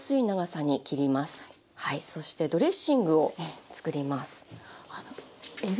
そしてドレッシングを作ります。